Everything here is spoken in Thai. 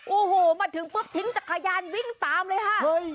โอ้โหมาถึงปุ๊บทิ้งจักรยานวิ่งตามเลยค่ะ